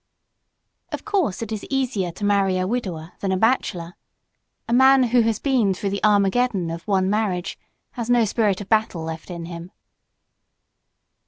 Of course it is easier to marry a widower than a bachelor. A man who has been through the Armageddon of one marriage has no spirit of battle left in him.